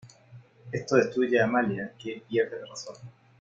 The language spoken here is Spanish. Esto destruye a Amalia, que pierde la razón.